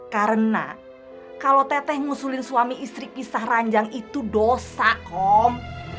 karena kalau teh teh ngusulin suami istri pisah ranjang itu dosa kom